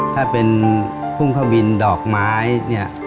ถ้าเป็นพุ่งข้าวบินดอกไม้